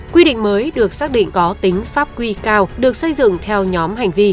quy định mới được xác định có tính pháp quy cao được xây dựng theo nhóm hành vi